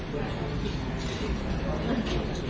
ขอบคุณครับ